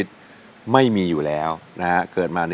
ขอบคุณครับ